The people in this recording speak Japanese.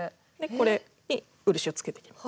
これに漆をつけていきます。